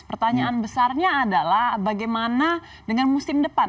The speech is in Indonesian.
pertanyaan besarnya adalah bagaimana dengan musim depan